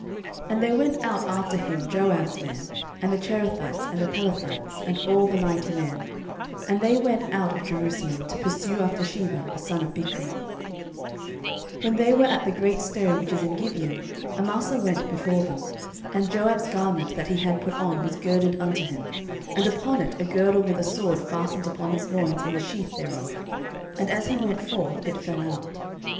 10:020:007 And there went out after him Joab's men, and the Cherethites, and the Pelethites, and all the mighty men: and they went out of Jerusalem, to pursue after Sheba the son of Bichri. 10:020:008 When they were at the great stone which is in Gibeon, Amasa went before them. And Joab's garment that he had put on was girded unto him, and upon it a girdle with a sword fastened upon his loins in the sheath thereof; and as he went forth it fell out.